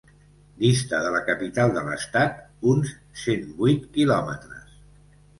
Dista de la capital de l'estat uns cent vuit quilòmetres.